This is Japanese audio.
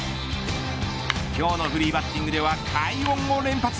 今日のフリーバッティングでは快音を連発。